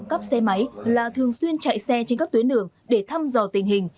trộm cắp xe máy là thường xuyên chạy xe trên các tuyến đường để thăm dò tình hình